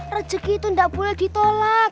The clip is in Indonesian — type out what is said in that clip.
rezeki itu tidak boleh ditolak